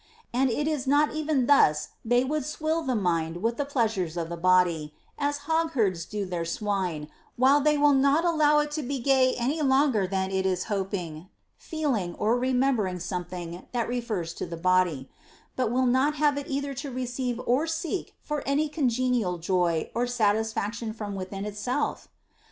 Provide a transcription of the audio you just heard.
And is it not even thus they would swill the mind with the pleasures of the body, as hogherds do their swine, while they will not allow it can be gay any longer than it is hoping, feeling, or remembering something that refers to the body ; but will not have it either to receive or seek for any congen ial joy or satisfaction from within itself?